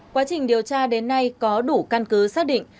quá trình điều tra đến nay có đủ căn cứ xác định